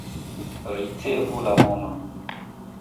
Ricevu la monon.